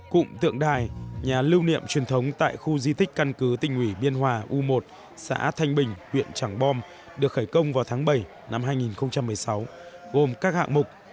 cụm tượng đài nhà lưu niệm truyền thống tại khu di tích căn cứ tỉnh ủy biên hòa u một xã thanh bình huyện trảng bom được khởi công vào tháng bảy năm hai nghìn một mươi sáu gồm các hạng mục